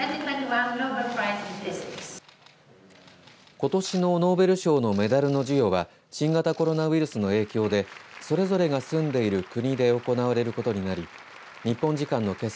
ことしのノーベル賞のメダルの授与は新型コロナウイルスの影響でそれぞれが住んでいる国で行われることになり日本時間のけさ